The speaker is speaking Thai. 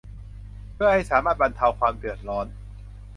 เพื่อให้สามารถบรรเทาความเดือดร้อน